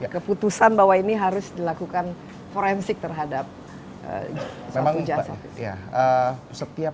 keputusan bahwa ini harus dilakukan forensik terhadap